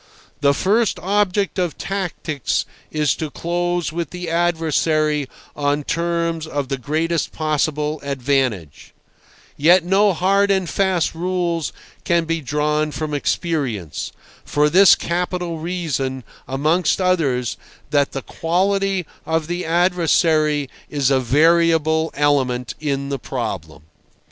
The first object of tactics is to close with the adversary on terms of the greatest possible advantage; yet no hard and fast rules can be drawn from experience, for this capital reason, amongst others—that the quality of the adversary is a variable element in the problem.